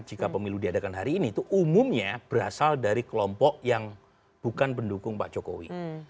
jika pemilu diadakan hari ini itu umumnya berasal dari kelompok yang bukan pendukung pak jokowi